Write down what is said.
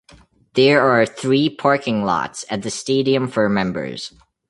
There are three parking lots at the stadium for members.